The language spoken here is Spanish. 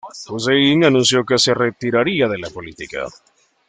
Hussein anunció que se retiraría de la política.